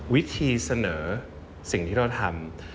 วิธีเสนอสิ่งที่เราทำ